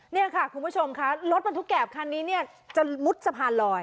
นี่ค่ะคุณผู้ชมค่ะรถบรรทุกแกบคันนี้เนี่ยจะมุดสะพานลอย